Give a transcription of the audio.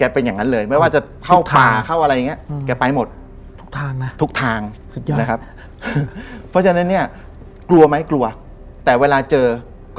เป็นอิสลาม